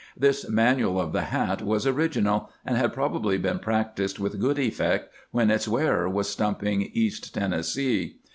This manual of the hat was original, and had probably been practised with good effect when its wearer was stumping east Tennessee.